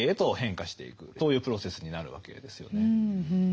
そういうプロセスになるわけですよね。